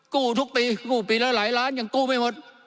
กู้ทุกปีกู้ปีละหลายล้านยังกู้ไม่หมด